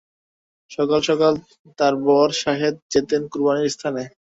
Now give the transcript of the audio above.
সকাল সকাল তার বর শাহেদ যেতেন কোরবানির স্থানে।